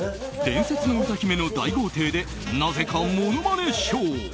伝説の歌姫の大豪邸でなぜか、ものまねショー。